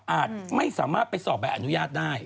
ไม่สามารถไปสอบใบอนุญาตได้